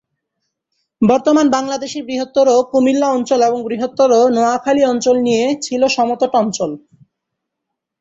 বর্তমান বাংলাদেশের বৃহত্তর কুমিল্লা অঞ্চল ও বৃহত্তর নোয়াখালী অঞ্চল নিয়ে ছিলো সমতট অঞ্চল।